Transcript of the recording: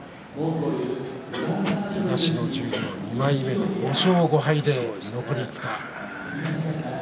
東の十両２枚目で５勝５敗残り５日。